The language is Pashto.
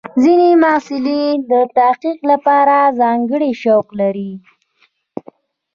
ځینې محصلین د تحقیق لپاره ځانګړي شوق لري.